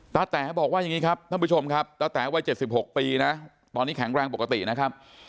แต๋บอกว่าอย่างนี้ครับท่านผู้ชมครับตาแต๋วัย๗๖ปีนะตอนนี้แข็งแรงปกตินะครับ